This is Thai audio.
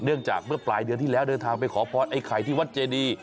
จากเมื่อปลายเดือนที่แล้วเดินทางไปขอพรไอ้ไข่ที่วัดเจดี